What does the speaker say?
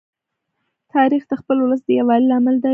تاریخ د خپل ولس د یووالي لامل دی.